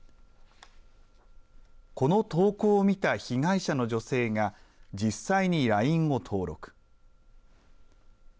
この投稿を見た被害者の女性が実際にＬＩＮＥを登録。